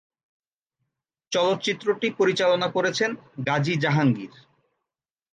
চলচ্চিত্রটি পরিচালনা করেছেন গাজী জাহাঙ্গীর।